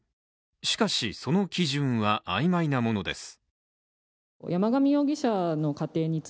しかしその基準は曖昧なものです。